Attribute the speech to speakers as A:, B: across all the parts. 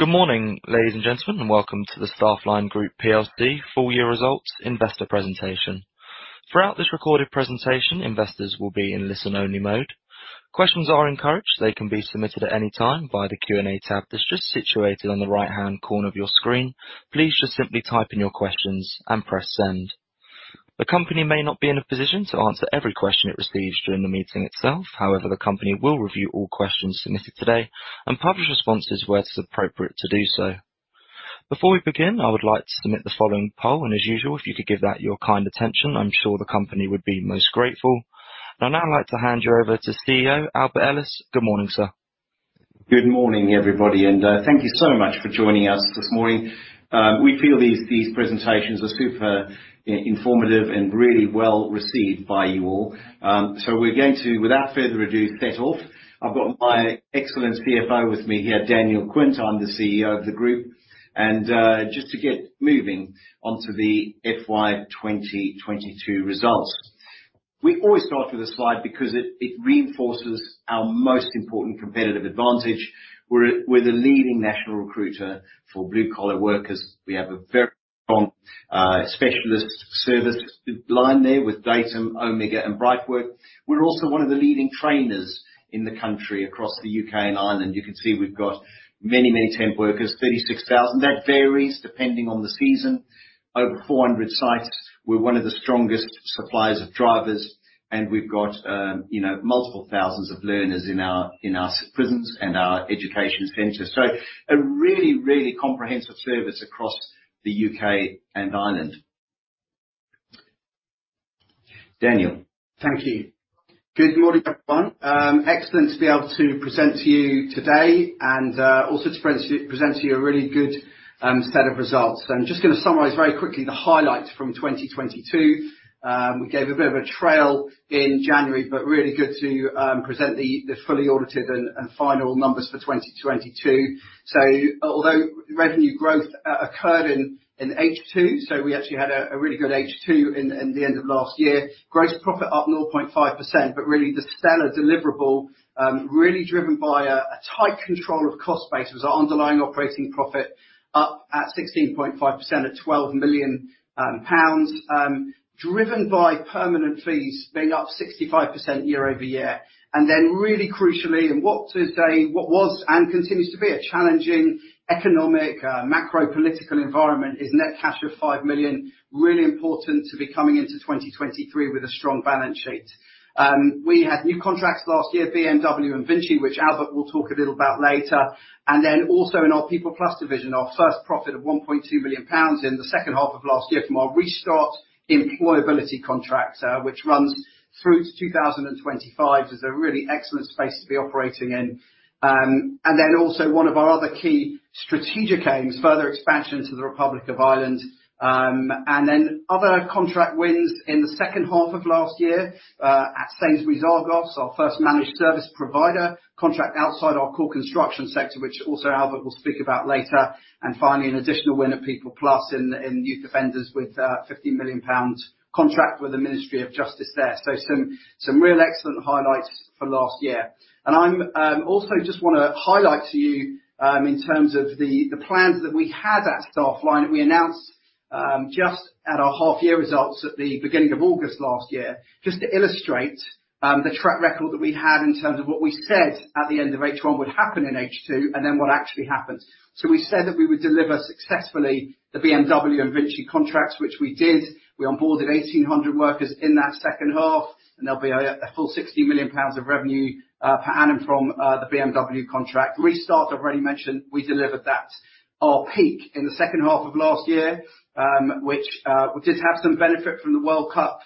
A: Good morning, ladies and gentlemen, and welcome to the Staffline Group plc full year results investor presentation. Throughout this recorded presentation, investors will be in listen-only mode. Questions are encouraged. They can be submitted at any time via the Q&A tab that's just situated on the right-hand corner of your screen. Please just simply type in your questions and press Send. The company may not be in a position to answer every question it receives during the meeting itself. However, the company will review all questions submitted today and publish responses where it is appropriate to do so. Before we begin, I would like to submit the following poll, and as usual, if you could give that your kind attention, I'm sure the company would be most grateful. I'd now like to hand you over to CEO, Albert Ellis. Good morning, sir.
B: Good morning, everybody, and thank you so much for joining us this morning. We feel these presentations are super informative and really well-received by you all. We're going to, without further ado, set off. I've got my excellent CFO with me here, Daniel Quint. I'm the CEO of the group. Just to get moving onto the FY 2022 results. We always start with a slide because it reinforces our most important competitive advantage. We're the leading national recruiter for blue-collar workers. We have a very strong specialist service line there with Datum, Omega, and Brightwork. We're also one of the leading trainers in the country across the U.K. and Ireland. You can see we've got many temp workers, 36,000. That varies depending on the season. Over 400 sites. We're one of the strongest suppliers of drivers, and we've got, you know, multiple thousands of learners in our prisons and our education ventures. A really comprehensive service across the UK and Ireland. Daniel.
C: Thank you. Good morning, everyone. Excellent to be able to present to you today and also to present to you a really good set of results. I'm just gonna summarize very quickly the highlights from 2022. We gave a bit of a trail in January, really good to present the fully audited and final numbers for 2022. Although revenue growth occurred in H2, we actually had a really good H2 in the end of last year. Gross profit up 0.5%, really the seller deliverable really driven by a tight control of cost base was our underlying operating profit, up at 16.5% at 12 million pounds. Driven by permanent fees being up 65% year-over-year. Really crucially, in what is a, what was and continues to be a challenging economic, macro political environment is net cash of 5 million, really important to be coming into 2023 with a strong balance sheet. We had new contracts last year, BMW and VINCI, which Albert will talk a little about later. Also in our PeoplePlus division, our first profit of 1.2 million pounds in the second half of last year from our Restart employability contract, which runs through to 2025. It's a really excellent space to be operating in. Also one of our other key strategic aims, further expansion to the Republic of Ireland. Other contract wins in the second half of last year at Sainsbury's Argos, our first managed service provider contract outside our core construction sector, which also Albert will speak about later. Finally, an additional win at PeoplePlus in youth offenders with a 50 million pounds contract with the Ministry of Justice there. Some real excellent highlights for last year. I'm also just wanna highlight to you in terms of the plans that we had at Staffline that we announced just at our half-year results at the beginning of August last year, just to illustrate the track record that we had in terms of what we said at the end of H1 would happen in H2, what actually happened. We said that we would deliver successfully the BMW and VINCI contracts, which we did. We onboarded 1,800 workers in that second half. There'll be a full 60 million pounds of revenue per annum from the BMW contract. Restart, I've already mentioned, we delivered that. Our peak in the second half of last year, which we did have some benefit from the World Cup,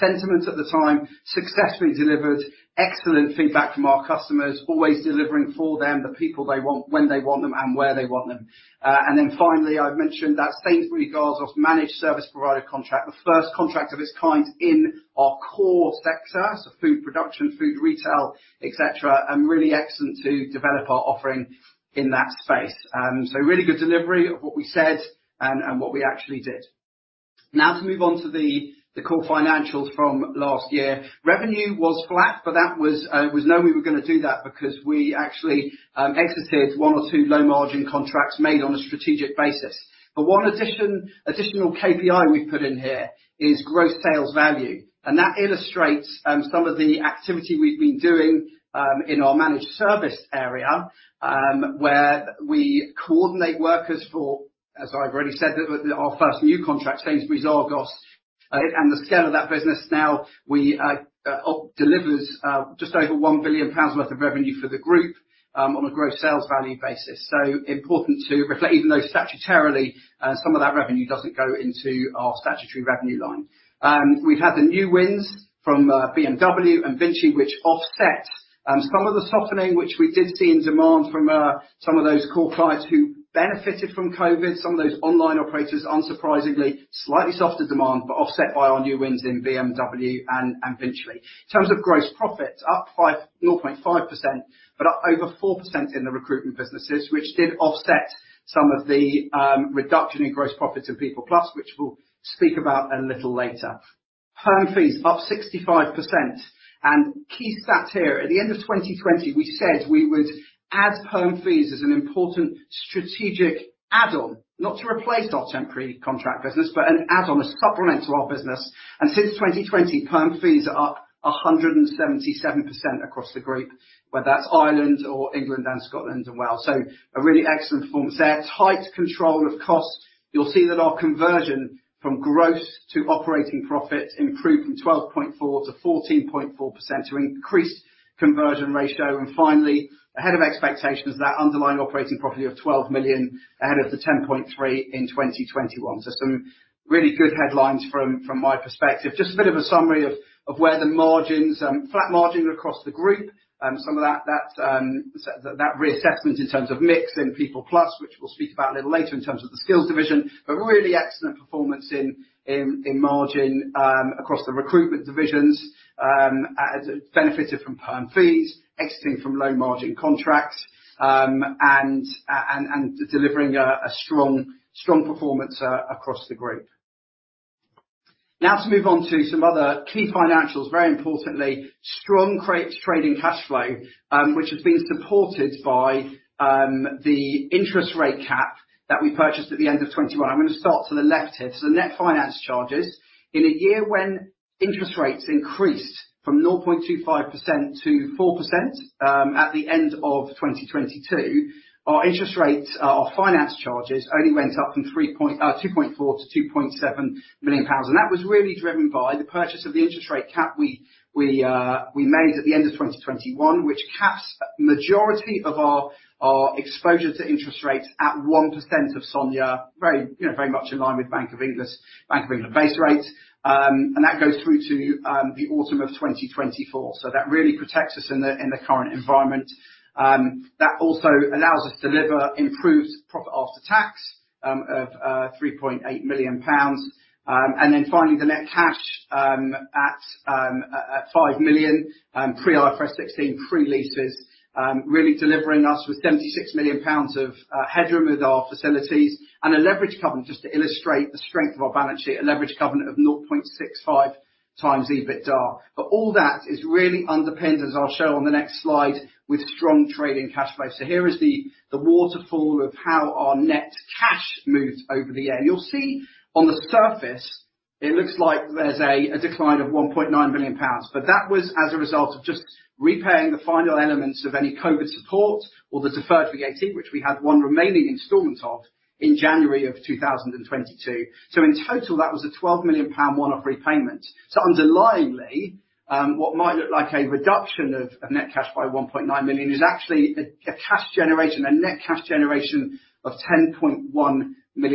C: sentiment at the time, successfully delivered excellent feedback from our customers, always delivering for them the people they want, when they want them and where they want them. Finally, I've mentioned that Sainsbury's Argos managed service provider contract, the first contract of its kind in our core sector, so food production, food retail, et cetera, and really excellent to develop our offering in that space. Really good delivery of what we said and what we actually did. To move on to the core financials from last year. Revenue was flat, that was knowing we were going to do that because we actually exited one or two low-margin contracts made on a strategic basis. One additional KPI we've put in here is gross sales value, and that illustrates some of the activity we've been doing in our managed service area, where we coordinate workers for, as I've already said, the our first new contract, Sainsbury's Argos, and the scale of that business now, we delivers just over 1 billion pounds worth of revenue for the group on a gross sales value basis. Important to reflect, even though statutorily, some of that revenue doesn't go into our statutory revenue line. We've had the new wins from BMW and VINCI, which offset some of the softening, which we did see in demand from some of those core clients who benefited from COVID, some of those online operators, unsurprisingly, slightly softer demand, offset by our new wins in BMW and VINCI. In terms of gross profit, up 0.5%, up over 4% in the recruitment businesses, which did offset some of the reduction in gross profits in PeoplePlus, which we'll speak about a little later. Perm fees up 65%. Key stat here, at the end of 2020, we said we would add perm fees as an important strategic add-on, not to replace our temporary contract business, an add-on, a supplement to our business. Since 2020, perm fees are up 177% across the group, whether that's Ireland or England and Scotland and Wales. A really excellent performance there. Tight control of costs. You'll see that our conversion from gross to operating profit improved from 12.4%-14.4% to increase conversion ratio. Finally, ahead of expectations, that underlying operating profit of 12 million ahead of the 10.3 in 2021. Some really good headlines from my perspective. Just a bit of a summary of where the margins, flat margin across the group. some of that reassessment in terms of mix in PeoplePlus, which we'll speak about a little later in terms of the skills division, but really excellent performance in margin across the recruitment divisions as it benefited from perm fees, exiting from low margin contracts, and delivering a strong performance across the group. To move on to some other key financials, very importantly, strong trading cash flow, which has been supported by the interest rate cap that we purchased at the end of 2021. I'm gonna start to the left here. The net finance charges. In a year when interest rates increased from 0.25%-4% at the end of 2022, our interest rates, our finance charges only went up from 3 point... 2.4 million-2.7 million pounds. That was really driven by the purchase of the interest rate cap we made at the end of 2021, which caps a majority of our exposure to interest rates at 1% of SONIA, very, you know, very much in line with Bank of England, Bank of England base rates. That goes through to the autumn of 2024. That really protects us in the current environment. That also allows us to deliver improved profit after tax of 3.8 million pounds. Finally, the net cash, at 5 million, pre IFRS 16 pre-leases, really delivering us with 76 million pounds of headroom with our facilities and a leverage covenant just to illustrate the strength of our balance sheet, a leverage covenant of 0.65 times EBITDA. All that is really underpinned, as I'll show on the next slide, with strong trading cash flow. Here is the waterfall of how our net cash moved over the air. You'll see on the surface it looks like there's a decline of 1.9 million pounds. That was as a result of just repaying the final elements of any COVID support or the deferred VAT, which we had one remaining installment of in January 2022. In total, that was a 12 million pound one-off repayment. Underlyingly, what might look like a reduction of net cash by 1.9 million is actually a cash generation, a net cash generation of 10.1 million pounds. That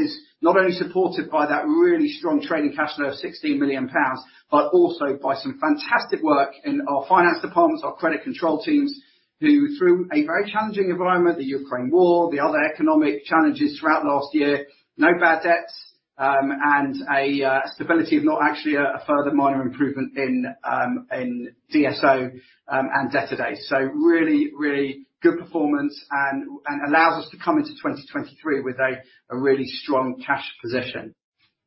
C: is not only supported by that really strong trading cash flow of 60 million pounds, but also by some fantastic work in our finance departments, our credit control teams, who through a very challenging environment, the Ukraine War, the other economic challenges throughout last year, no bad debts, and a stability of not actually a further minor improvement in DSO and debtor days. Really good performance and allows us to come into 2023 with a really strong cash position.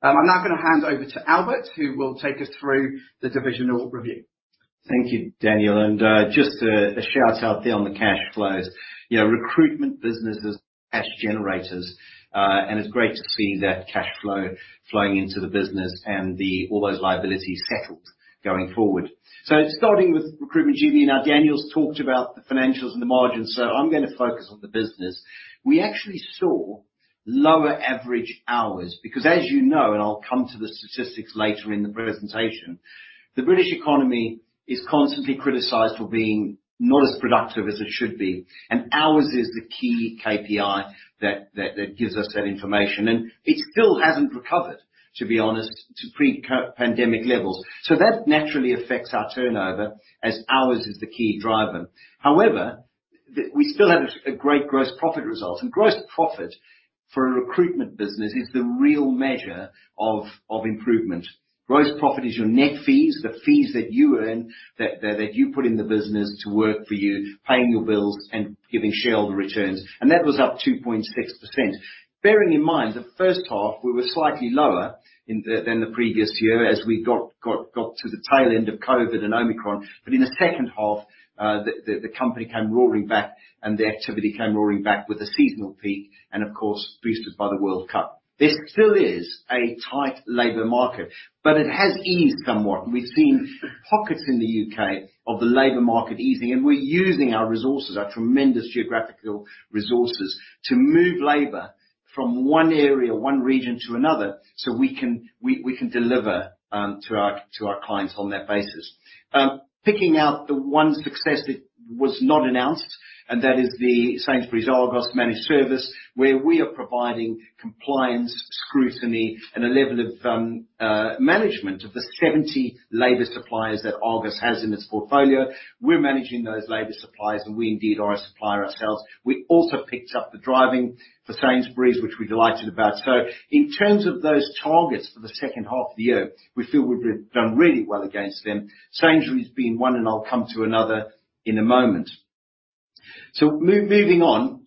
C: I'm now gonna hand over to Albert, who will take us through the divisional review.
B: Thank you, Daniel. Just a shout out there on the cash flows. You know, recruitment business is cash generators, and it's great to see that cash flow flowing into the business and all those liabilities settled going forward. Starting with Recruitment GB. Now, Daniel's talked about the financials and the margins, so I'm gonna focus on the business. We actually saw lower average hours because, as you know, and I'll come to the statistics later in the presentation, the British economy is constantly criticized for being not as productive as it should be, and hours is the key KPI that gives us that information. It still hasn't recovered, to be honest, to pre-co-pandemic levels. That naturally affects our turnover as hours is the key driver. However, we still had a great gross profit result. Gross profit for a recruitment business is the real measure of improvement. Gross profit is your net fees, the fees that you earn, that you put in the business to work for you, paying your bills and giving shareholder returns. That was up 2.6%. Bearing in mind, the first half we were slightly lower than the previous year as we got to the tail end of COVID and Omicron. In the second half, the company came roaring back and the activity came roaring back with a seasonal peak and of course boosted by the World Cup. This still is a tight labor market, but it has eased somewhat. We've seen pockets in the U.K. of the labor market easing, and we're using our resources, our tremendous geographical resources, to move labor from one area, one region to another, so we can deliver to our clients on that basis. Picking out the one success that was not announced, and that is the Sainsbury's Argos managed service, where we are providing compliance, scrutiny and a level of management of the 70 labor suppliers that Argos has in its portfolio. We're managing those labor suppliers, and we indeed are a supplier ourselves. We also picked up the driving for Sainsbury's, which we're delighted about. In terms of those targets for the second half of the year, we feel we've done really well against them. Sainsbury's being one, I'll come to another in a moment. Moving on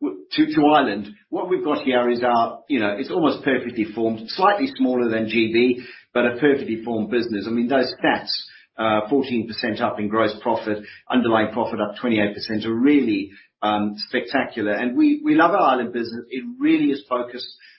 B: to Ireland, what we've got here is our, you know, it's almost perfectly formed, slightly smaller than GB, a perfectly formed business. I mean, those stats, 14% up in gross profit, underlying profit up 28%, are really spectacular. We love our Ireland business. It really is focused on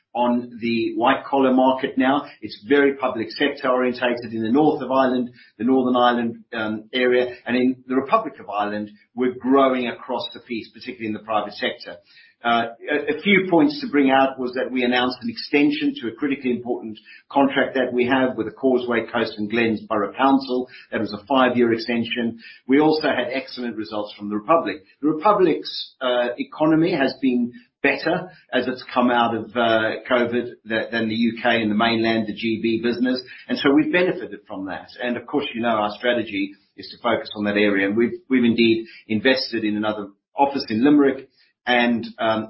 B: the white-collar market now. It's very public sector-orientated in the north of Ireland, the Northern Ireland area. In the Republic of Ireland, we're growing across the piece, particularly in the private sector. A few points to bring out was that we announced an extension to a critically important contract that we have with the Causeway Coast and Glens Borough Council. That was a 5-year extension. We also had excellent results from the Republic. The Republic's economy has been better as it's come out of COVID than the UK and the mainland, the GB business, and so we've benefited from that. Of course, you know our strategy is to focus on that area. We've indeed invested in another office in Limerick and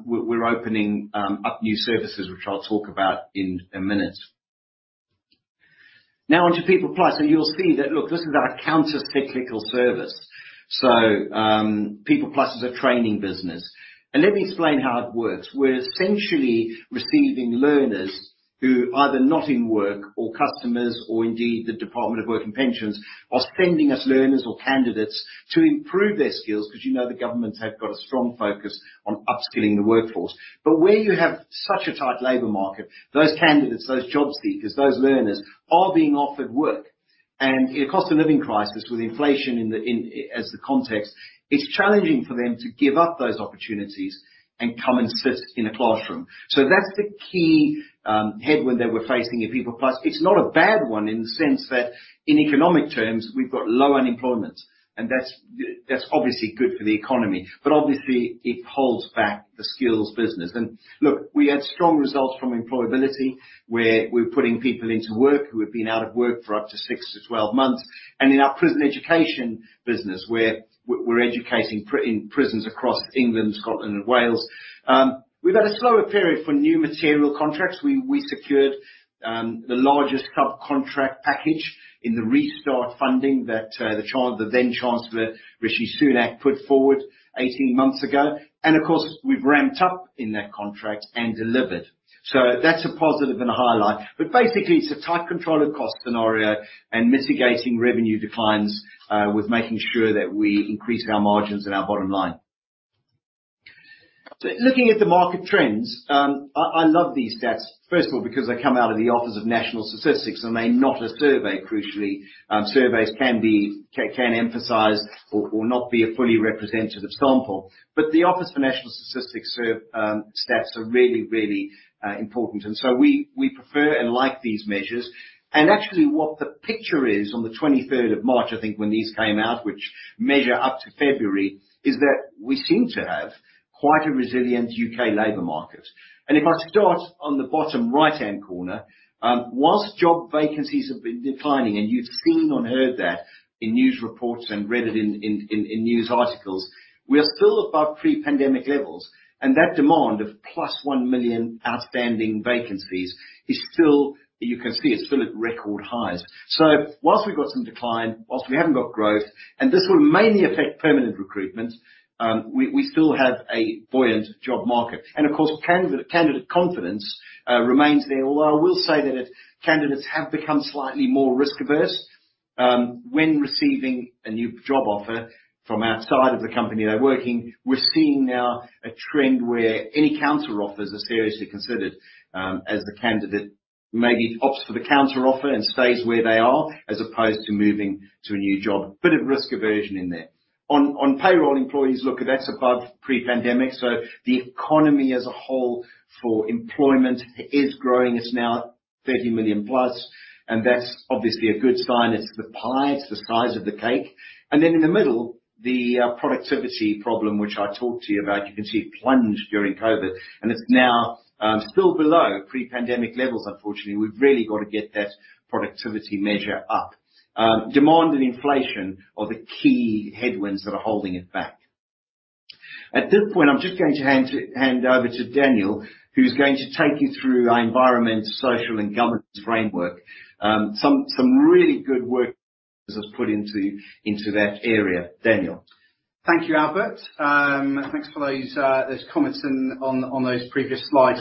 B: we're opening up new services, which I'll talk about in a minute. Now on to PeoplePlus, and you'll see that, look, this is our countercyclical service. PeoplePlus is a training business. Let me explain how it works. We're essentially receiving learners who are either not in work, or customers or indeed the Department for Work and Pensions are sending us learners or candidates to improve their skills, because you know the government have got a strong focus on upskilling the workforce. Where you have such a tight labor market, those candidates, those job seekers, those learners are being offered work. In a cost of living crisis, with inflation in the context, it's challenging for them to give up those opportunities and come and sit in a classroom. That's the key headwind that we're facing in PeoplePlus. It's not a bad one in the sense that in economic terms, we've got low unemployment, and that's obviously good for the economy, but obviously, it holds back the skills business. Look, we had strong results from employability, where we're putting people into work who have been out of work for up to six-12 months. In our prison education business, we're educating in prisons across England, Scotland and Wales. We've had a slower period for new material contracts. We secured the largest hub contract package in the Restart funding that the then Chancellor Rishi Sunak put forward 18 months ago. Of course, we've ramped up in that contract and delivered. That's a positive and a highlight. Basically, it's a tight control of cost scenario and mitigating revenue declines with making sure that we increase our margins and our bottom line. Looking at the market trends, I love these stats, first of all, because they come out of the Office for National Statistics and they're not a survey, crucially. Surveys can be, can emphasize or not be a fully representative sample. The Office for National Statistics serve stats are really, really important, and so we prefer and like these measures. Actually what the picture is on the 23rd of March, I think, when these came out, which measure up to February, is that we seem to have quite a resilient U.K. labor market. If I start on the bottom right-hand corner, whilst job vacancies have been declining, and you'd seen or heard that in news reports and read it in news articles, we are still above pre-pandemic levels. That demand of plus 1 million outstanding vacancies is still, you can see it's still at record highs. Whilst we've got some decline, whilst we haven't got growth, and this will mainly affect permanent recruitment, we still have a buoyant job market. Of course, candidate confidence remains there, although I will say that candidates have become slightly more risk-averse when receiving a new job offer from outside of the company they're working. We're seeing now a trend where any counteroffers are seriously considered as the candidate maybe opts for the counteroffer and stays where they are, as opposed to moving to a new job. Bit of risk aversion in there. On, on payroll employees, look, that's above pre-pandemic. The economy as a whole for employment is growing. It's now 30 million+, that's obviously a good sign. It's the pie, it's the size of the cake. Then in the middle, the productivity problem, which I talked to you about, you can see it plunged during COVID, it's now still below pre-pandemic levels unfortunately. We've really got to get that productivity measure up. Demand and inflation are the key headwinds that are holding it back. At this point, I'm just going to hand over to Daniel, who's going to take you through our environmental, social, and governance framework. Some really good work has put into that area. Daniel.
C: Thank you, Albert. Thanks for those comments on those previous slides.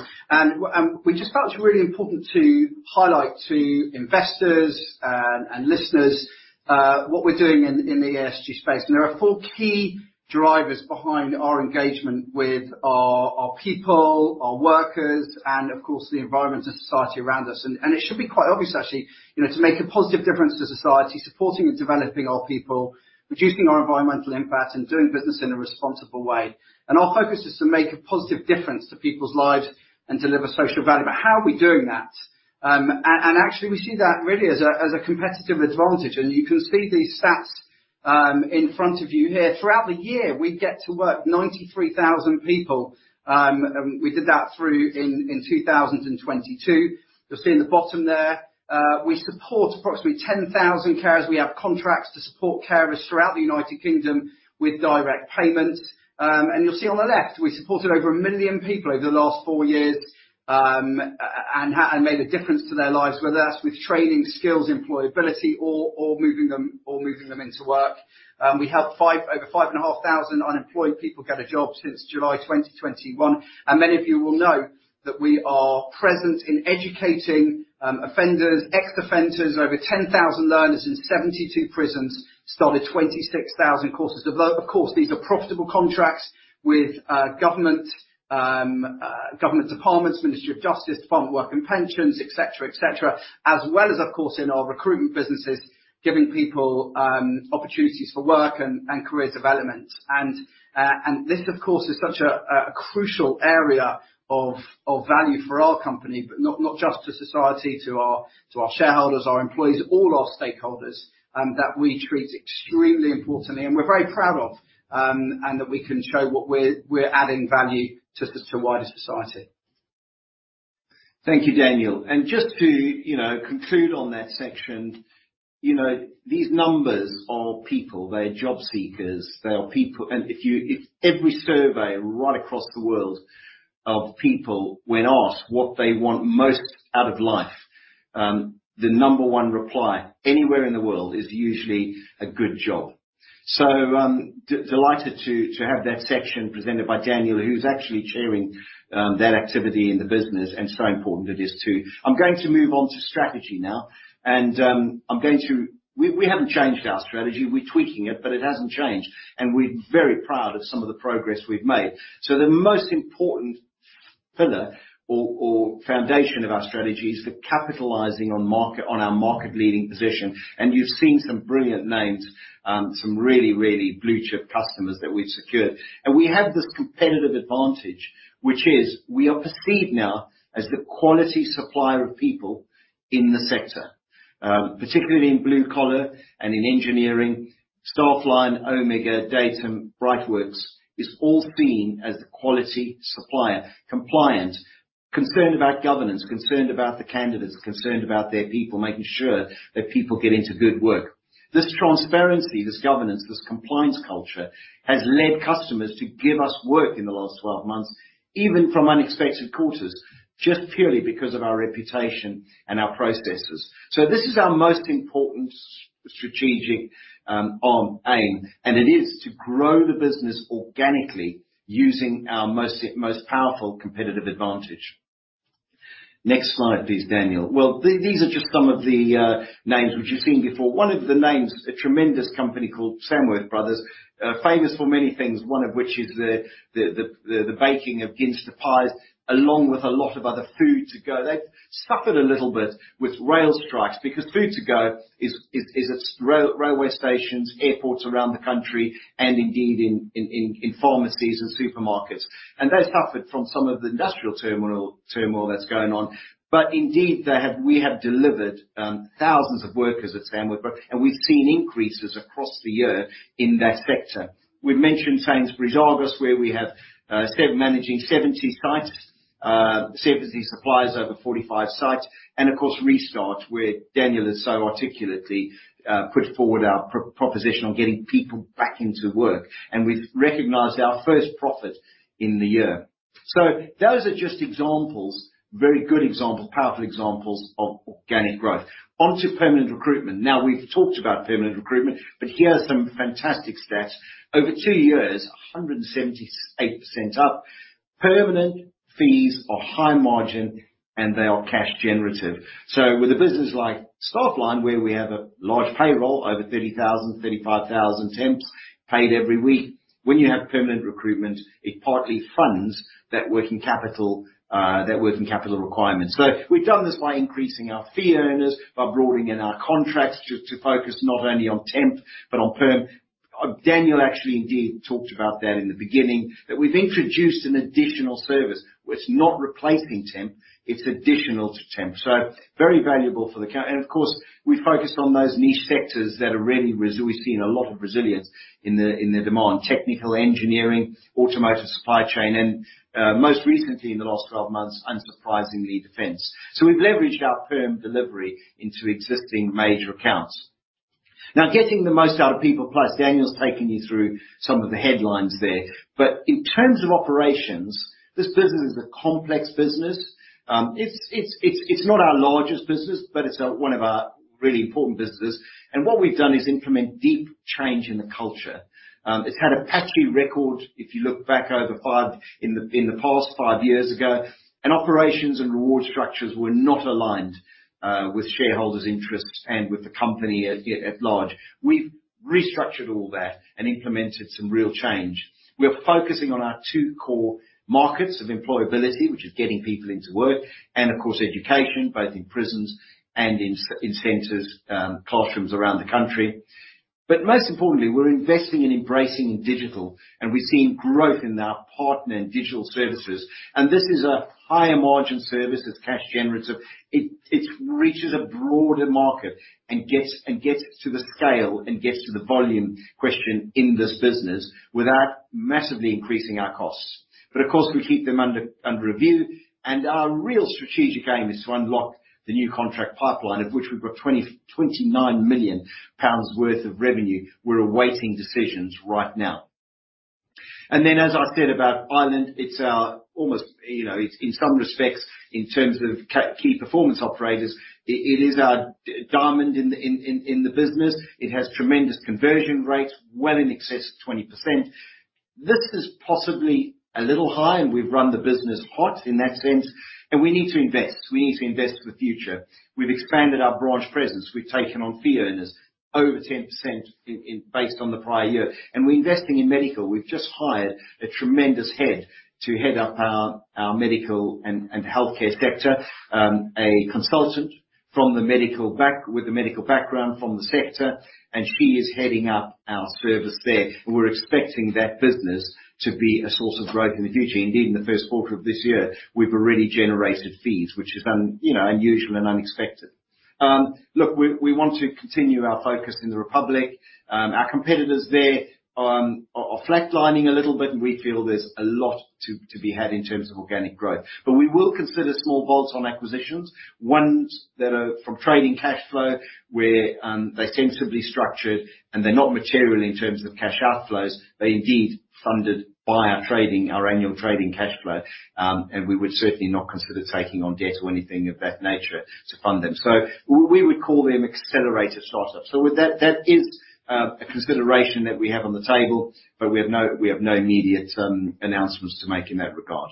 C: We just felt it's really important to highlight to investors and listeners what we're doing in the ESG space. There are four key drivers behind our engagement with our people, our workers, and of course, the environment and society around us. It should be quite obvious actually, you know, to make a positive difference to society, supporting and developing our people, reducing our environmental impact and doing business in a responsible way. Our focus is to make a positive difference to people's lives and deliver social value. How are we doing that? Actually we see that really as a competitive advantage. You can see these stats in front of you here, throughout the year, we get to work 93,000 people. We did that in 2022. You'll see in the bottom there, we support approximately 10,000 carers. We have contracts to support carers throughout the United Kingdom with direct payment. You'll see on the left, we supported over 1 million people over the last four years and made a difference to their lives, whether that's with training, skills, employability, or moving them into work. We helped over 5,500 unemployed people get a job since July 2021. Many of you will know that we are present in educating offenders, ex-offenders. Over 10,000 learners in 72 prisons started 26,000 courses. Of course, these are profitable contracts with government departments, Ministry of Justice, Department for Work and Pensions, et cetera, et cetera, as well as, of course, in our recruitment businesses, giving people opportunities for work and career development. And this, of course, is such a crucial area of value for our company, but not just to society, to our shareholders, our employees, all our stakeholders that we treat extremely importantly and we're very proud of and that we can show what we're adding value to wider society.
B: Thank you, Daniel. Just to, you know, conclude on that section, you know, these numbers are people, they are job seekers, they are people. If you, if every survey right across the world of people when asked what they want most out of life, the number one reply anywhere in the world is usually a good job. Delighted to have that section presented by Daniel, who's actually chairing that activity in the business, and so important it is too. I'm going to move on to strategy now. We haven't changed our strategy. We're tweaking it, but it hasn't changed, and we're very proud of some of the progress we've made. The most important pillar or foundation of our strategy is the capitalizing on our market-leading position. You've seen some brilliant names, some really, really blue chip customers that we've secured. We have this competitive advantage, which is we are perceived now as the quality supplier of people in the sector, particularly in blue collar and in engineering. Staffline, Omega, Datum, Brightwork is all seen as the quality supplier, compliant, concerned about governance, concerned about the candidates, concerned about their people, making sure that people get into good work. This transparency, this governance, this compliance culture has led customers to give us work in the last 12 months, even from unexpected quarters, just purely because of our reputation and our processes. This is our most important strategic arm, aim, and it is to grow the business organically using our most powerful competitive advantage. Next slide, please, Daniel. These are just some of the names which you've seen before. One of the names is a tremendous company called Samworth Brothers, famous for many things, one of which is the baking of Ginsters pies, along with a lot of other food to go. They've suffered a little bit with rail strikes because food to go is at railway stations, airports around the country, and indeed in pharmacies and supermarkets. They suffered from some of the industrial turmoil that's going on. Indeed, we have delivered thousands of workers at Samworth Brothers, and we've seen increases across the year in that sector. We've mentioned Sainsbury's Argos, where we have managing 70 sites, 70 suppliers over 45 sites. Of course, Restart, where Daniel has so articulately put forward our proposition on getting people back into work. We've recognized our first profit in the year. Those are just examples, very good examples, powerful examples of organic growth. Onto permanent recruitment. We've talked about permanent recruitment, here are some fantastic stats. Over two years, 178% up. Permanent fees are high margin, they are cash generative. With a business like Staffline, where we have a large payroll, over 30,000-35,000 temps paid every week. When you have permanent recruitment, it partly funds that working capital, that working capital requirement. We've done this by increasing our fee earners, by broadening in our contracts to focus not only on temp but on perm. Daniel actually indeed talked about that in the beginning, that we've introduced an additional service. It's not replacing temp, it's additional to temp. Very valuable for the. Of course, we've focused on those niche sectors that are really we've seen a lot of resilience in the demand. Technical, engineering, automotive supply chain, and most recently in the last 12 months, unsurprisingly, defense. We've leveraged our perm delivery into existing major accounts. Now, getting the most out of PeoplePlus, Daniel's taken you through some of the headlines there. In terms of operations, this business is a complex business. It's not our largest business, but it's one of our really important businesses. What we've done is implement deep change in the culture. It's had a patchy record, if you look back over five, in the past five years ago, operations and reward structures were not aligned with shareholders' interests and with the company at large. We've restructured all that and implemented some real change. We are focusing on our two core markets of employability, which is getting people into work, and of course, education, both in prisons and in centers, classrooms around the country. Most importantly, we're investing in embracing digital, we're seeing growth in our partner in digital services. This is a higher margin service. It's cash generative. It reaches a broader market and gets to the scale and gets to the volume question in this business without massively increasing our costs. Of course, we keep them under review. Our real strategic aim is to unlock the new contract pipeline of which we've got 29 million pounds worth of revenue. We're awaiting decisions right now. As I said about Ireland, it's our almost, you know, in some respects, in terms of key performance operators, it is our diamond in the business. It has tremendous conversion rates, well in excess of 20%. This is possibly a little high, and we've run the business hot in that sense, and we need to invest. We need to invest for the future. We've expanded our branch presence. We've taken on fee earners over 10% based on the prior year, and we're investing in medical. We've just hired a tremendous head to head up our medical and healthcare sector. A consultant with a medical background from the sector, and she is heading up our service there. We're expecting that business to be a source of growth in the future. Indeed, in the first quarter of this year, we've already generated fees, which is, you know, unusual and unexpected. Look, we want to continue our focus in the Republic. Our competitors there are flatlining a little bit, and we feel there's a lot to be had in terms of organic growth. We will consider small bolts on acquisitions, ones that are from trading cash flow, where they're sensibly structured, and they're not material in terms of cash outflows. They're indeed funded by our trading, our annual trading cash flow, and we would certainly not consider taking on debt or anything of that nature to fund them. We would call them accelerator startups. With that is a consideration that we have on the table, but we have no, we have no immediate announcements to make in that regard.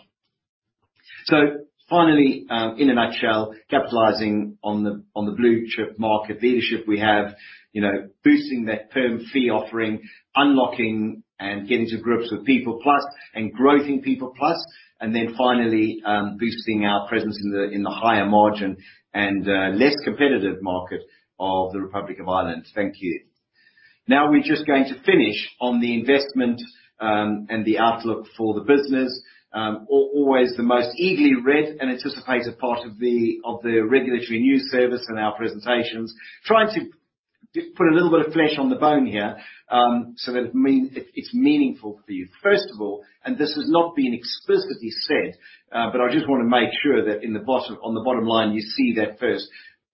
B: Finally, in a nutshell, capitalizing on the, on the blue-chip market leadership we have. You know, boosting that perm fee offering, unlocking and getting to grips with PeoplePlus and growing PeoplePlus. Then finally, boosting our presence in the, in the higher margin and less competitive market of the Republic of Ireland. Thank you. We're just going to finish on the investment and the outlook for the business. Always the most eagerly read and anticipated part of the regulatory news service and our presentations. Trying to put a little bit of flesh on the bone here, so that it's meaningful for you. First of all, this has not been explicitly said, I just wanna make sure that on the bottom line, you see that first.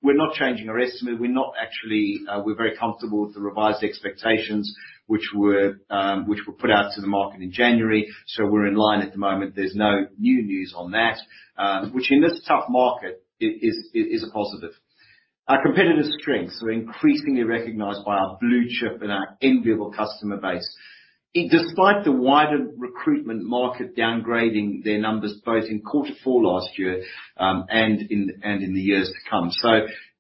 B: We're not changing our estimate. We're not actually... We're very comfortable with the revised expectations which were put out to the market in January. We're in line at the moment. There's no new news on that, which in this tough market is a positive. Our competitive strengths are increasingly recognized by our blue chip and our enviable customer base. Despite the wider recruitment market downgrading their numbers both in quarter four last year, and in the years to come.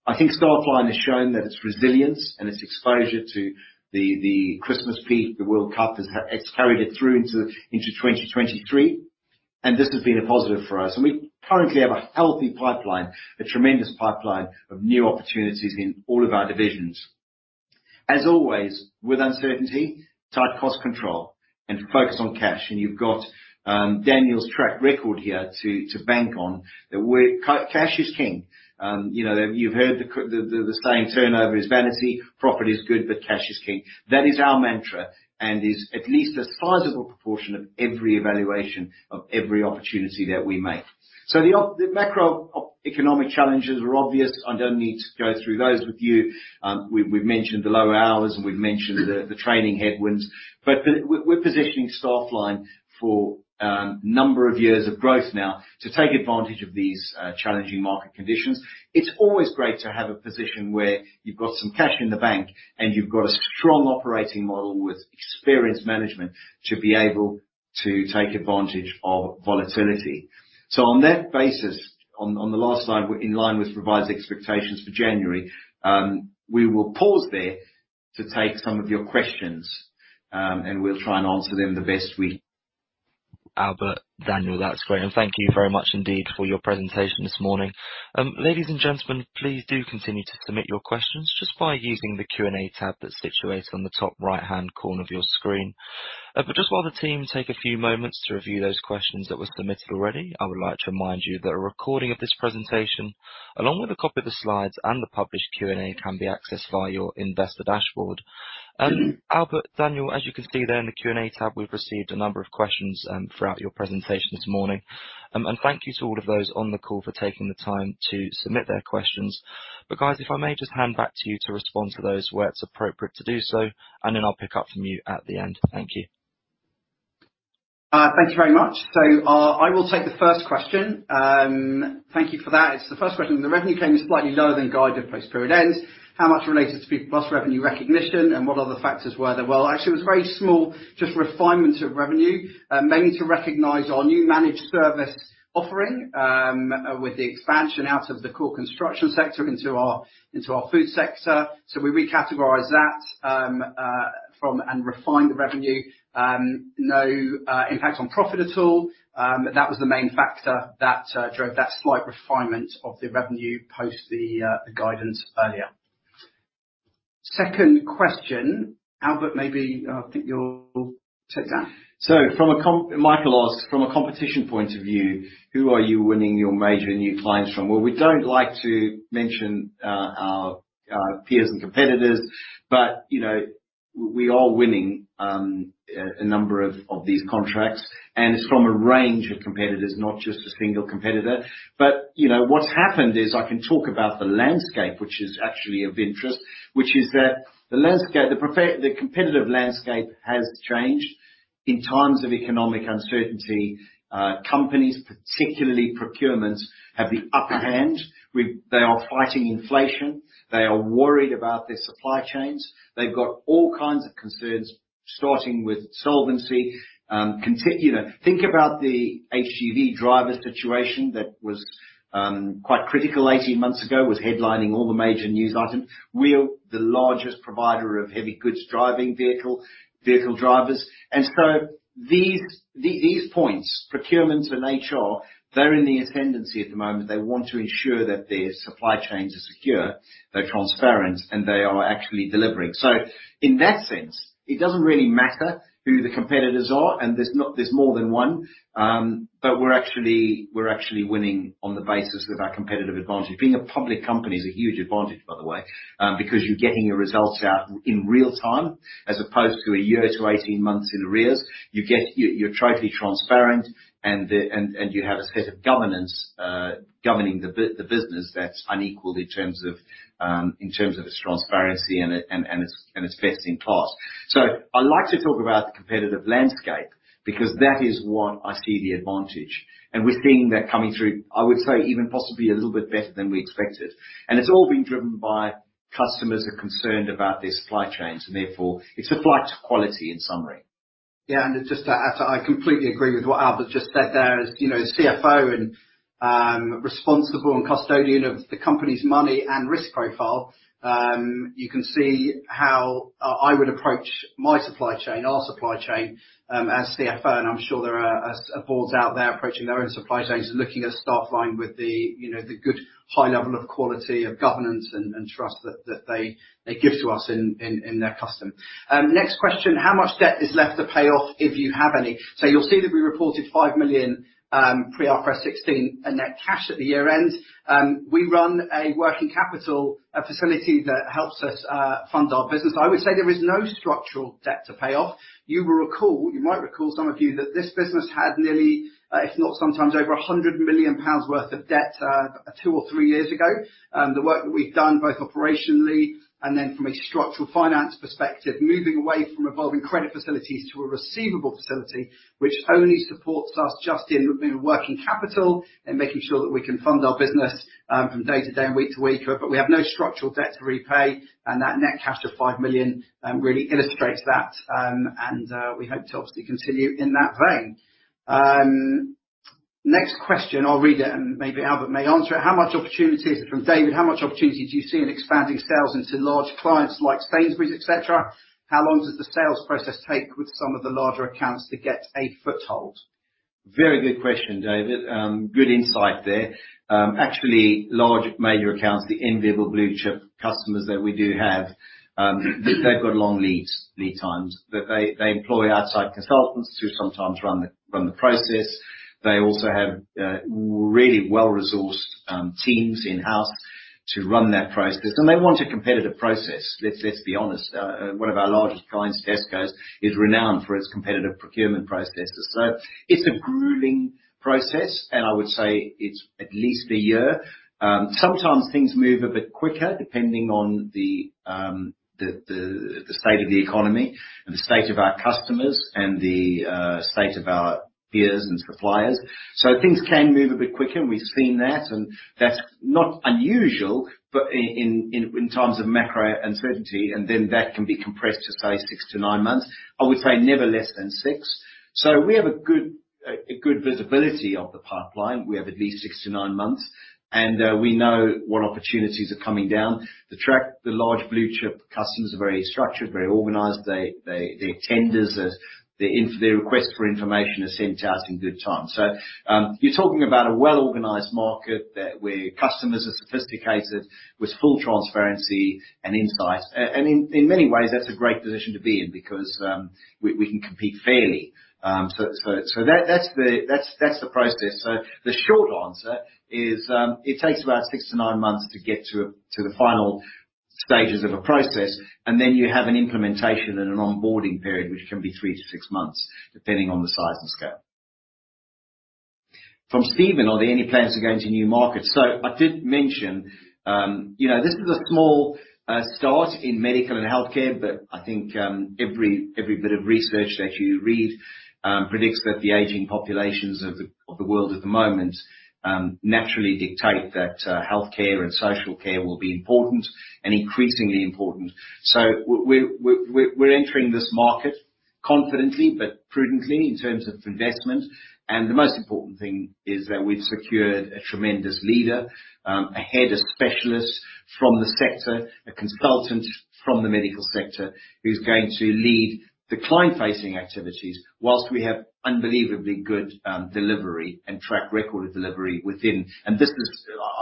B: I think Staffline has shown that its resilience and its exposure to the Christmas peak, the World Cup, has carried it through into 2023, and this has been a positive for us. We currently have a healthy pipeline, a tremendous pipeline of new opportunities in all of our divisions. As always, with uncertainty, tight cost control and focus on cash. You've got Daniel's track record here to bank on. Cash is king. You know, you've heard the saying, "Turnover is vanity, property is good, but cash is king." That is our mantra and is at least a sizable proportion of every evaluation of every opportunity that we make. The macroeconomic challenges are obvious. I don't need to go through those with you. We've mentioned the lower hours and we've mentioned the training headwinds. We're positioning Staffline for number of years of growth now to take advantage of these challenging market conditions. It's always great to have a position where you've got some cash in the bank and you've got a strong operating model with experienced management to be able to take advantage of volatility. On that basis, on the last slide, in line with revised expectations for January, we will pause there to take some of your questions, and we'll try and answer them the best.
A: Albert, Daniel, that's great. Thank you very much indeed for your presentation this morning. Ladies and gentlemen, please do continue to submit your questions just by using the Q&A tab that's situated on the top right-hand corner of your screen. Just while the team take a few moments to review those questions that were submitted already, I would like to remind you that a recording of this presentation along with a copy of the slides and the published Q&A can be accessed via your investor dashboard. Albert, Daniel, as you can see there in the Q&A tab, we've received a number of questions throughout your presentation this morning. Thank you to all of those on the call for taking the time to submit their questions. Guys, if I may just hand back to you to respond to those where it's appropriate to do so, and then I'll pick up from you at the end. Thank you.
C: Thank you very much. I will take the first question. Thank you for that. It's the first question. The revenue came in slightly lower than guided post period end. How much related to PeoplePlus revenue recognition, and what other factors were there? Well, actually, it was very small, just refinement of revenue, mainly to recognize our new managed service offering, with the expansion out of the core construction sector into our, into our food sector. We recategorized that. From and refined the revenue. No impact on profit at all. But that was the main factor that drove that slight refinement of the revenue post the guidance earlier. Second question. Albert, maybe, I think you'll take that.
B: From a Michael asked, "From a competition point of view, who are you winning your major new clients from?" Well, we don't like to mention our peers and competitors, but, you know, we are winning a number of these contracts. It's from a range of competitors, not just a single competitor. You know, what's happened is I can talk about the landscape, which is actually of interest, which is that the landscape, the competitive landscape has changed. In times of economic uncertainty, companies, particularly procurements, have the upper hand. They are fighting inflation. They are worried about their supply chains. They've got all kinds of concerns, starting with solvency. You know, think about the HGV driver situation that was quite critical 18 months ago. It was headlining all the major news items. We're the largest provider of heavy goods vehicle drivers. These points, procurements and HR, they're in the ascendancy at the moment. They want to ensure that their supply chains are secure, they're transparent, and they are actually delivering. In that sense, it doesn't really matter who the competitors are, and there's more than one. We're actually winning on the basis of our competitive advantage. Being a public company is a huge advantage, by the way, because you're getting your results out in real time, as opposed to a year to 18 months in arrears. You're totally transparent, and you have a set of governance governing the business that's unequaled in terms of its transparency and its best in class. I like to talk about the competitive landscape because that is one I see the advantage. We're seeing that coming through, I would say even possibly a little bit better than we expected. It's all been driven by customers are concerned about their supply chains, and therefore it's a flight to quality in summary.
C: Just to add to that, I completely agree with what Albert just said there. As, you know, as CFO and responsible and custodian of the company's money and risk profile, you can see how I would approach my supply chain, our supply chain, as CFO. I'm sure there are boards out there approaching their own supply chains, looking at Staffline with the, you know, the good high level of quality of governance and trust that they give to us in their custom. Next question. How much debt is left to pay off, if you have any? You'll see that we reported 5 million IFRS 16 in net cash at the year-end. We run a working capital facility that helps us fund our business. I would say there is no structural debt to pay off. You will recall, you might recall, some of you, that this business had nearly, if not sometimes over 100 million pounds worth of debt, two or three years ago. The work that we've done, both operationally and then from a structural finance perspective, moving away from revolving credit facilities to a receivable facility which only supports us just in working capital and making sure that we can fund our business from day to day and week to week. We have no structural debt to repay, and that net cash of 5 million really illustrates that. We hope to obviously continue in that vein. Next question. I'll read it, and maybe Albert may answer it. How much opportunities... From David. How much opportunity do you see in expanding sales into large clients like Sainsbury's, et cetera? How long does the sales process take with some of the larger accounts to get a foothold?
B: Very good question, David. Good insight there. Actually, large major accounts, the enviable blue chip customers that we do have, they've got long lead times. They employ outside consultants who sometimes run the process. They also have really well-resourced teams in-house to run their process. They want a competitive process, let's be honest. One of our largest clients, Tesco, is renowned for its competitive procurement processes. It's a grueling process, and I would say it's at least a year. Sometimes things move a bit quicker, depending on the state of the economy and the state of our customers and the state of our peers and suppliers. Things can move a bit quicker, and we've seen that, and that's not unusual, but in times of macro uncertainty, and then that can be compressed to, say, six-nine months. I would say never less than six. We have a good visibility of the pipeline. We have at least six-nine months, and we know what opportunities are coming down. The large blue chip customers are very structured, very organized. They, their tenders, their request for information is sent out in good time. You're talking about a well-organized market that where customers are sophisticated, with full transparency and insight. And in many ways, that's a great position to be in because we can compete fairly. That's the process. The short answer is, it takes about six-nine months to get to the final stages of a process, and then you have an implementation and an onboarding period, which can be three-six months, depending on the size and scale. From Steven: Are there any plans to go into new markets? I did mention, you know, this is a small start in medical and healthcare, but I think every bit of research that you read predicts that the aging populations of the world at the moment naturally dictate that healthcare and social care will be important and increasingly important. We're entering this market confidently but prudently in terms of investment. The most important thing is that we've secured a tremendous leader, a head of specialists from the sector, a consultant from the medical sector, who's going to lead the client-facing activities whilst we have unbelievably good delivery and track record of delivery within. Business,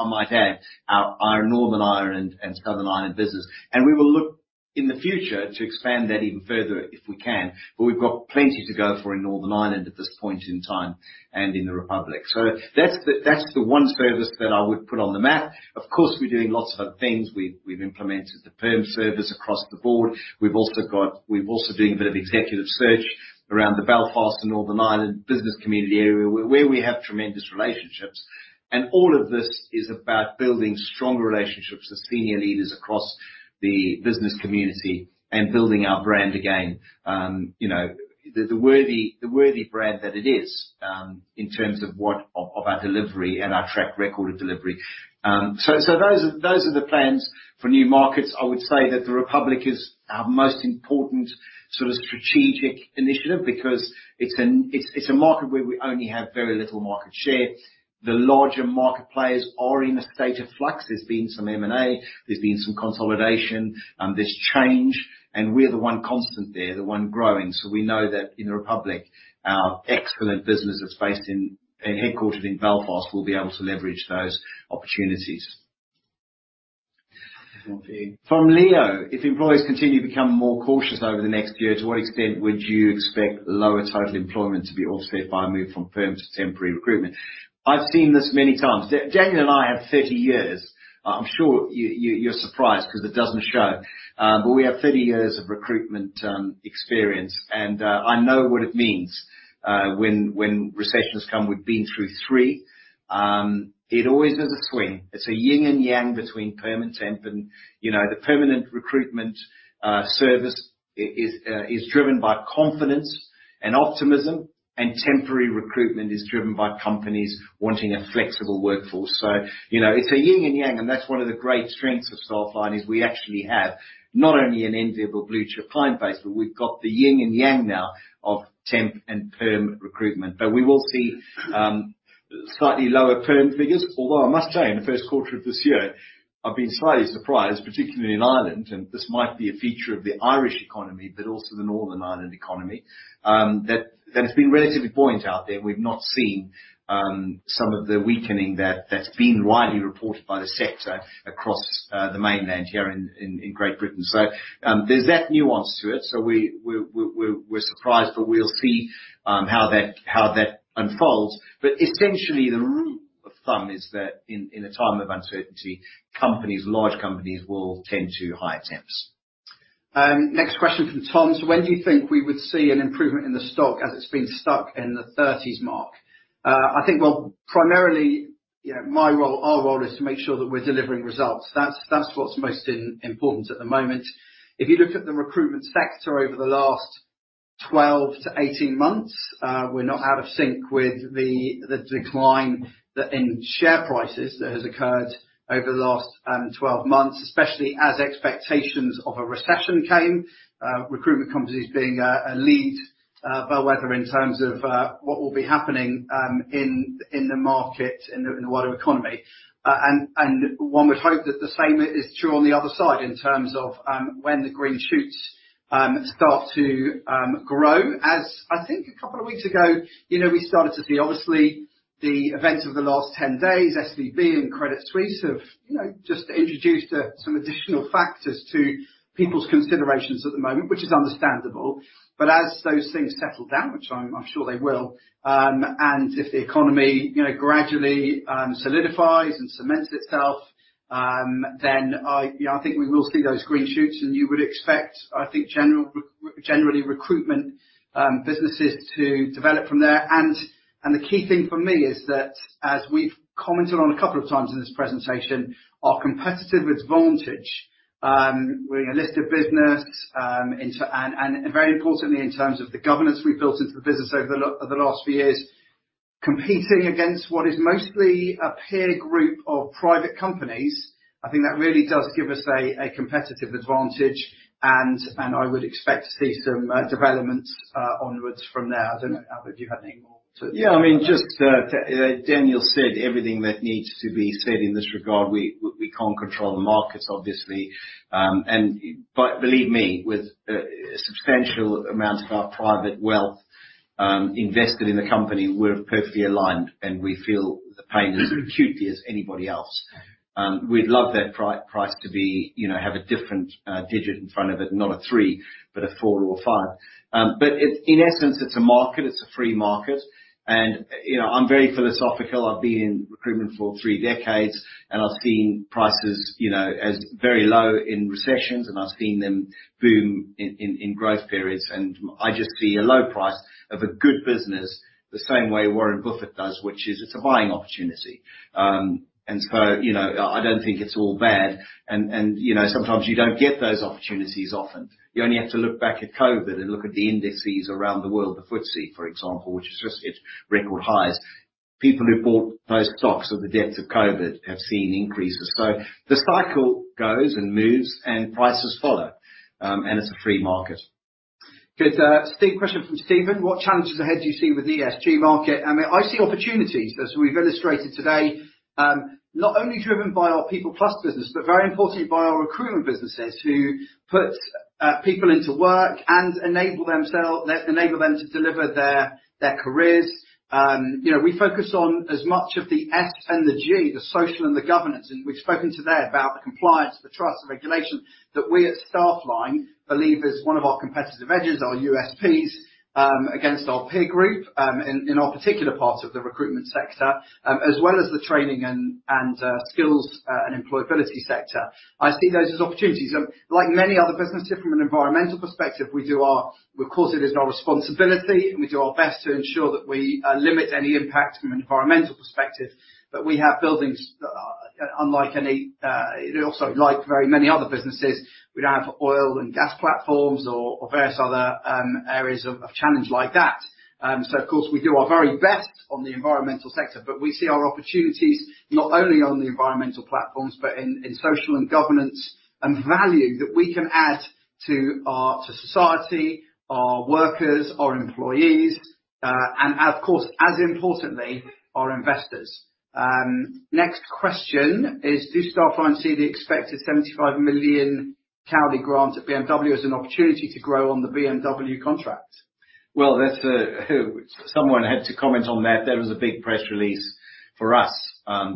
B: I might add, our Northern Ireland and Southern Ireland business. We will look in the future to expand that even further if we can. We've got plenty to go for in Northern Ireland at this point in time, and in the Republic. That's the, that's the one service that I would put on the map. Of course, we're doing lots of other things. We've, we've implemented the perm service across the board. We've also got... We're also doing a bit of executive search around the Belfast and Northern Ireland business community area where we have tremendous relationships. All of this is about building strong relationships with senior leaders across the business community and building our brand again. You know, the worthy brand that it is, in terms of our delivery and our track record of delivery. Those are the plans for new markets. I would say that the Republic is our most important sort of strategic initiative because it's a market where we only have very little market share. The larger market players are in a state of flux. There's been some M&A, there's been some consolidation, there's change, and we're the one constant there, the one growing. We know that in the Republic, our excellent business that's based in and headquartered in Belfast will be able to leverage those opportunities. If employees continue to become more cautious over the next year, to what extent would you expect lower total employment to be offset by a move from perm to temporary recruitment? I've seen this many times. Daniel and I have 30 years. I'm sure you're surprised 'cause it doesn't show. But we have 30 years of recruitment experience, and I know what it means when recessions come. We've been through three. It always is a swing. It's a yin and yang between perm and temp. You know, the permanent recruitment service is driven by confidence and optimism, and temporary recruitment is driven by companies wanting a flexible workforce. You know, it's a yin and yang, and that's one of the great strengths of Staffline, is we actually have not only an enviable blue-chip client base, but we've got the yin and yang now of temp and perm recruitment. We will see slightly lower perm figures. Although I must say, in the first quarter of this year, I've been slightly surprised, particularly in Ireland, and this might be a feature of the Irish economy but also the Northern Ireland economy, that it's been relatively buoyant out there. We've not seen some of the weakening that's been widely reported by the sector across the mainland here in Great Britain. There's that nuance to it. We're surprised, but we'll see how that unfolds. Essentially, the rule of thumb is that in a time of uncertainty, companies, large companies will tend to hire temps.
C: Next question from Tom. When do you think we would see an improvement in the stock as it's been stuck in the 30s mark? I think, well, primarily, you know, my role, our role is to make sure that we're delivering results. That's, that's what's most important at the moment. If you look at the recruitment sector over the last 12-18 months, we're not out of sync with the decline in share prices that has occurred over the last 12 months, especially as expectations of a recession came, recruitment companies being a lead bellwether in terms of what will be happening in the market, in the wider economy. And one would hope that the same is true on the other side in terms of when the green shoots start to grow. As I think two weeks ago, you know, we started to see obviously the events of the last 10 days, SVB and Credit Suisse have, you know, just introduced some additional factors to people's considerations at the moment, which is understandable. As those things settle down, which I'm sure they will, and if the economy, you know, gradually solidifies and cements itself, then I, you know, I think we will see those green shoots and you would expect, I think generally recruitment businesses to develop from there. The key thing for me is that, as we've commented on a couple of times in this presentation, our competitive advantage, we're a listed business, and very importantly, in terms of the governance we've built into the business over the last few years, competing against what is mostly a peer group of private companies, I think that really does give us a competitive advantage, and I would expect to see some developments onwards from there. I don't know, Albert, do you have any more?
B: Yeah, I mean, just Daniel said everything that needs to be said in this regard. We can't control the markets, obviously. Believe me, with a substantial amount of our private wealth invested in the company, we're perfectly aligned, and we feel the pain as acutely as anybody else. We'd love that price to be, you know, have a different digit in front of it, not a three, but a four or a five. In essence, it's a market, it's a free market. You know, I'm very philosophical. I've been in recruitment for three decades, I've seen prices, you know, as very low in recessions, and I've seen them boom in growth periods. I just see a low price of a good business the same way Warren Buffett does, which is it's a buying opportunity. You know, I don't think it's all bad. You know, sometimes you don't get those opportunities often. You only have to look back at COVID and look at the indices around the world, the FTSE, for example, which has just hit record highs. People who bought those stocks at the depths of COVID have seen increases. The cycle goes and moves, and prices follow. It's a free market.
C: Good. Question from Steven: "What challenges ahead do you see with the ESG market?" I mean, I see opportunities, as we've illustrated today, not only driven by our PeoplePlus business, but very importantly by our recruitment businesses, who put people into work and enable them to deliver their careers. You know, we focus on as much of the S and the G, the social and the governance, and we've spoken today about the compliance, the trust, the regulation, that we at Staffline believe is one of our competitive edges, our USPs, against our peer group, in our particular part of the recruitment sector, as well as the training and skills and employability sector. I see those as opportunities. Like many other businesses, from an environmental perspective, we do our... Of course, it is our responsibility, and we do our best to ensure that we limit any impact from an environmental perspective. We have buildings that are unlike any, also like very many other businesses, we don't have oil and gas platforms or various other areas of challenge like that. Of course, we do our very best on the environmental sector, but we see our opportunities not only on the environmental platforms, but in social and governance, and value that we can add to our society, our workers, our employees, and of course, as importantly, our investors. Next question is, "Do Staffline see the expected 75 million Cowley grant at BMW as an opportunity to grow on the BMW contract?
B: Someone had to comment on that. There was a big press release for us,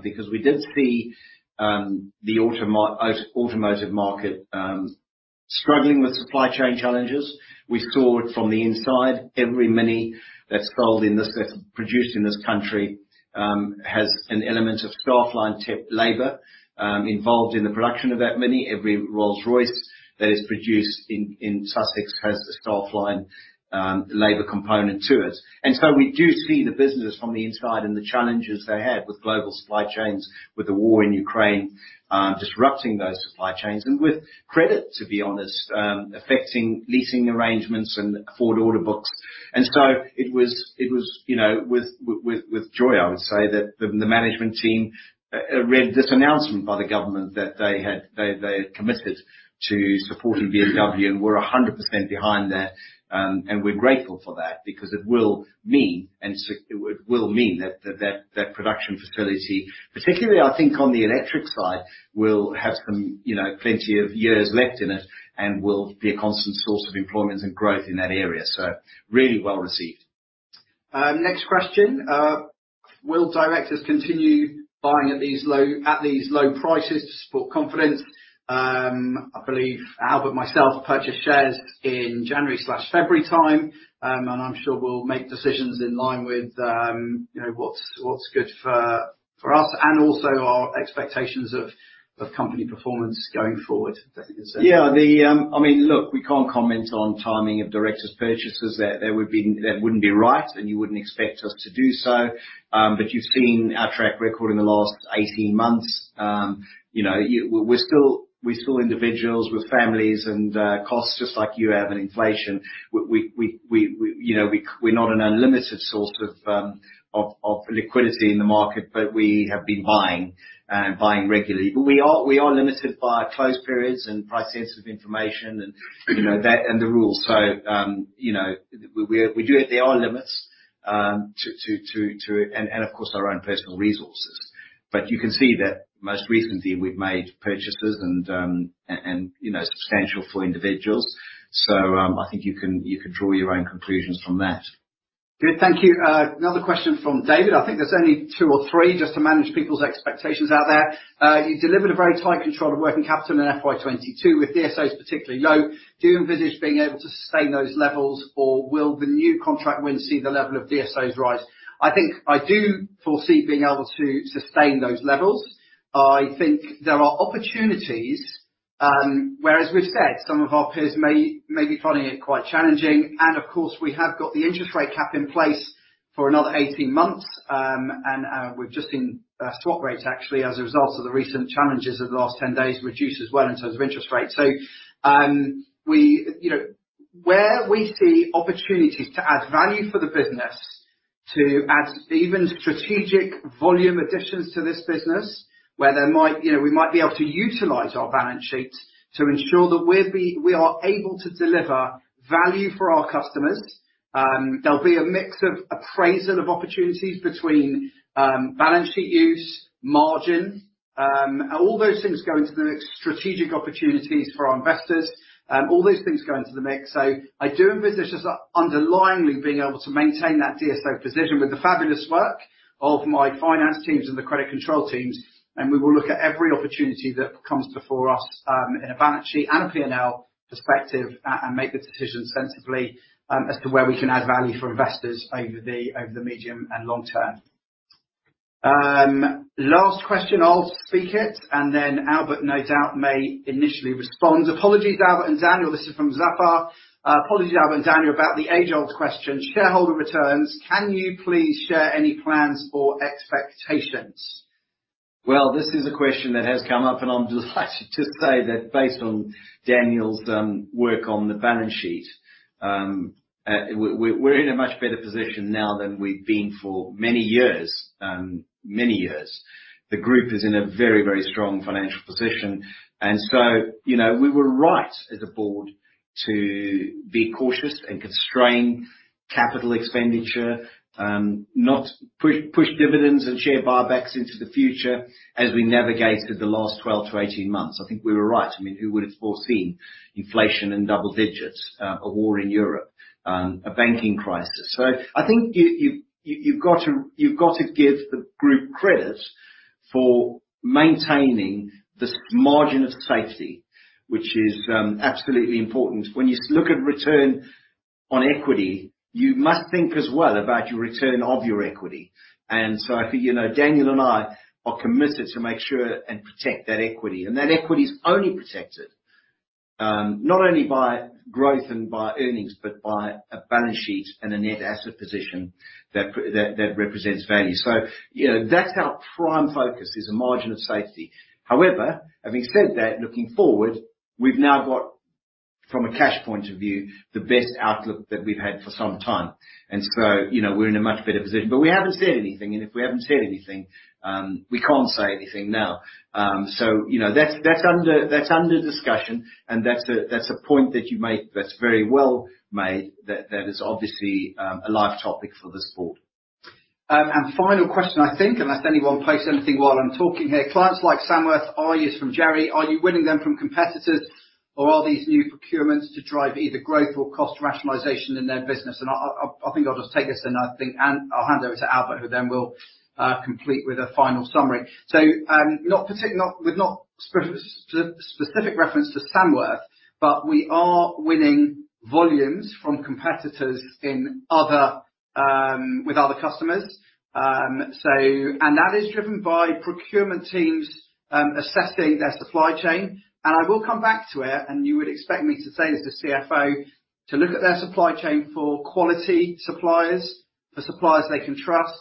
B: because we did see the automotive market struggling with supply chain challenges. We saw it from the inside. Every MINI that's produced in this country has an element of Staffline temp labor involved in the production of that MINI. Every Rolls-Royce that is produced in Sussex has a Staffline labor component to it. We do see the businesses from the inside and the challenges they have with global supply chains, with the war in Ukraine, disrupting those supply chains, and with credit, to be honest, affecting leasing arrangements and Ford order books. It was, you know, with joy, I would say that the management team read this announcement by the government that they had committed to supporting BMW, and we're 100% behind that. We're grateful for that because it will mean that production facility, particularly I think on the electric side, will have some, you know, plenty of years left in it and will be a constant source of employment and growth in that area. Really well-received.
C: Next question. Will directors continue buying at these low prices to support confidence? I believe Albert and myself purchased shares in January/February time. I'm sure we'll make decisions in line with, you know, what's good for us and also our expectations of company performance going forward.
B: Yeah. I mean, look, we can't comment on timing of directors' purchases. That would be... That wouldn't be right, and you wouldn't expect us to do so. You've seen our track record in the last 18 months. You know, we're still individuals with families and costs just like you have and inflation. We, you know, we're not an unlimited source of liquidity in the market, but we have been buying regularly. We are limited by close periods and price-sensitive information and, you know, that and the rules. You know, we do-- There are limits to... And of course our own personal resources. You can see that most recently we've made purchases and, you know, substantial for individuals. I think you can, you can draw your own conclusions from that.
C: Good. Thank you. Another question from David. I think there's only two or three, just to manage people's expectations out there. You delivered a very tight control of working capital in FY 2022, with DSOs particularly low. Do you envisage being able to sustain those levels, or will the new contract win see the level of DSOs rise? I think I do foresee being able to sustain those levels. I think there are opportunities, where, as we've said, some of our peers may be finding it quite challenging. Of course, we have got the interest rate cap in place for another 18 months. We've just seen our swap rates actually as a result of the recent challenges over the last 10 days reduce as well in terms of interest rates. We... You know, where we see opportunities to add value for the business, to add even strategic volume additions to this business where there might, you know, we might be able to utilize our balance sheets to ensure that we are able to deliver value for our customers, there'll be a mix of appraisal of opportunities between balance sheet use, margin, all those things go into the mix, strategic opportunities for our investors, all those things go into the mix. I do envisage us underlyingly being able to maintain that DSO position with the fabulous work of my finance teams and the credit control teams, and we will look at every opportunity that comes before us in a balance sheet and a P&L perspective and make the decision sensibly as to where we can add value for investors over the medium and long term. Last question. I'll speak it, Albert no doubt may initially respond. Apologies, Albert and Daniel. This is from Zafar. Apologies, Albert and Daniel, about the age-old question, shareholder returns. Can you please share any plans or expectations?
B: This is a question that has come up, and I'm delighted to say that based on Daniel's work on the balance sheet, we're in a much better position now than we've been for many years. The group is in a very, very strong financial position. You know, we were right as a board to be cautious and constrain capital expenditure, not push dividends and share buybacks into the future as we navigated the last 12-18 months. I think we were right. I mean, who would have foreseen inflation in double digits, a war in Europe, a banking crisis? I think you've got to give the group credit for maintaining this margin of safety, which is absolutely important. When you look at return on equity, you must think as well about your return of your equity. I think, you know, Daniel and I are committed to make sure and protect that equity. That equity is only protected, not only by growth and by earnings, but by a balance sheet and a net asset position that represents value. You know, that's our prime focus, is a margin of safety. However, having said that, looking forward, we've now got from a cash point of view, the best outlook that we've had for some time. You know, we're in a much better position. We haven't said anything, and if we haven't said anything, we can't say anything now. You know, that's under discussion, that's a point that you make that's very well made that is obviously a live topic for this board.
C: Final question, I think, unless anyone places anything while I'm talking here. Clients like Samworth are used from Jerry. Are you winning them from competitors, or are these new procurements to drive either growth or cost rationalization in their business? I think I'll just take this and I think I'll hand over to Albert, who then will complete with a final summary. Not specific reference to Samworth, but we are winning volumes from competitors in other, with other customers. That is driven by procurement teams, assessing their supply chain. I will come back to it, and you would expect me to say as the CFO, to look at their supply chain for quality suppliers, for suppliers they can trust,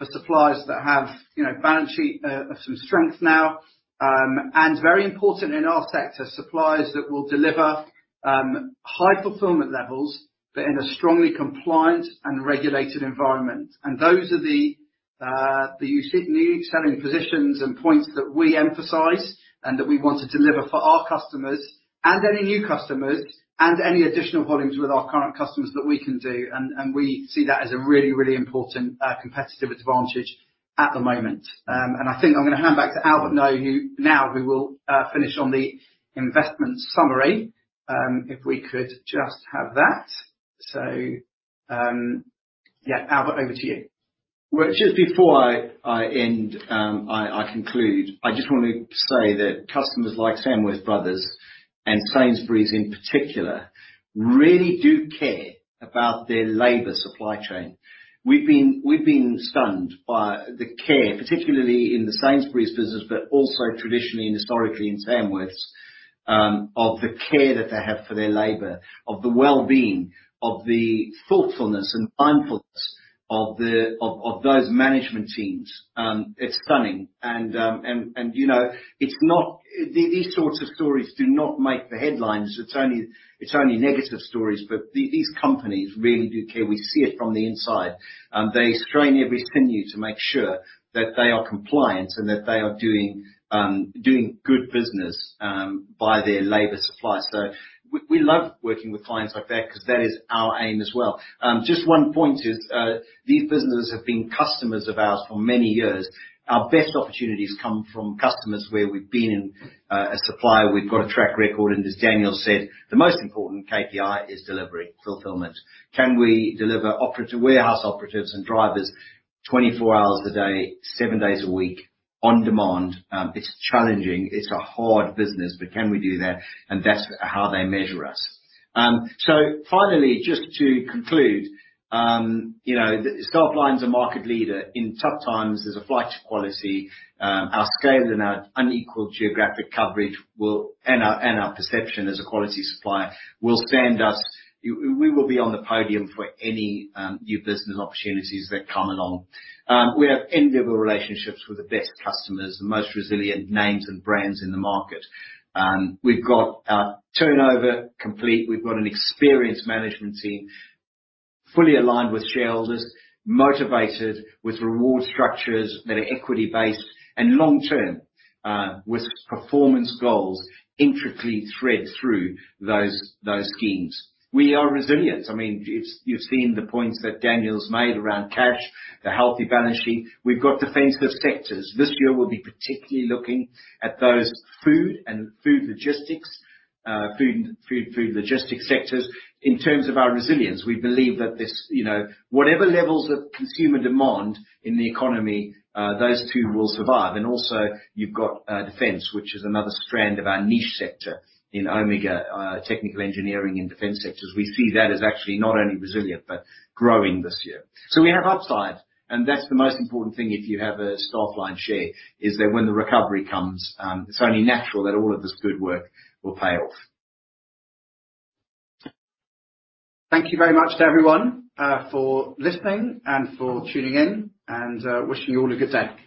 C: for suppliers that have, you know, balance sheet of some strength now, and very important in our sector, suppliers that will deliver high fulfillment levels, but in a strongly compliant and regulated environment. Those are the unique selling positions and points that we emphasize, and that we want to deliver for our customers and any new customers and any additional volumes with our current customers that we can do. We see that as a really, really important competitive advantage at the moment. I think I'm gonna hand back to Albert now, who will finish on the investment summary. If we could just have that. Yeah, Albert, over to you.
B: Just before I end, I conclude, I just want to say that customers like Samworth Brothers and Sainsbury's in particular, really do care about their labor supply chain. We've been stunned by the care, particularly in the Sainsbury's business, but also traditionally and historically in Samworth's, of the care that they have for their labor, of the well-being, of the thoughtfulness and mindfulness of those management teams. It's stunning. You know, it's not these sorts of stories do not make the headlines. It's only negative stories. These companies really do care. We see it from the inside. They strain every penny to make sure that they are compliant and that they are doing good business by their labor supply. We love working with clients like that because that is our aim as well. Just one point is, these businesses have been customers of ours for many years. Our best opportunities come from customers where we've been a supplier, we've got a track record, and as Daniel said, the most important KPI is delivery, fulfillment. Can we deliver warehouse operatives and drivers 24 hours a day, seven days a week, on demand? It's challenging. It's a hard business, but can we do that? That's how they measure us. Finally, just to conclude, you know, Staffline's a market leader. In tough times, there's a flight to quality. Our scale and our unequal geographic coverage. Our perception as a quality supplier will stand us. We will be on the podium for any new business opportunities that come along. We have enviable relationships with the best customers, the most resilient names and brands in the market. We've got our turnover complete. We've got an experienced management team, fully aligned with shareholders, motivated with reward structures that are equity-based and long-term, with performance goals intricately thread through those schemes. We are resilient. I mean, you've seen the points that Daniel's made around cash, the healthy balance sheet. We've got defensive sectors. This year, we'll be particularly looking at those food and food logistics, food logistics sectors. In terms of our resilience, we believe that this, you know, whatever levels of consumer demand in the economy, those two will survive. Also you've got defense, which is another strand of our niche sector in Omega, technical engineering and defense sectors. We see that as actually not only resilient, but growing this year. We have upside, and that's the most important thing if you have a Staffline share, is that when the recovery comes, it's only natural that all of this good work will pay off.
C: Thank you very much to everyone, for listening and for tuning in, and, wishing you all a good day.